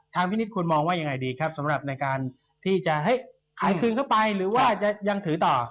พี่นิดควรมองว่ายังไงดีครับสำหรับในการที่จะให้ขายคืนเข้าไปหรือว่าจะยังถือต่อ